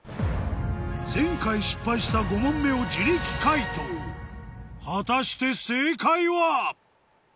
前回失敗した５問目を自力解答果たして正解は？